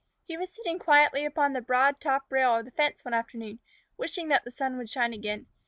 He was sitting quietly upon the broad top rail of the fence one afternoon, wishing that the sun would shine again.